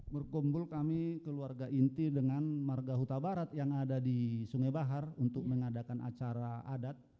berkumpul kami keluarga inti dengan marga huta barat yang ada di sungai bahar untuk mengadakan acara adat